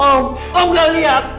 om liat badannya masih hangat kan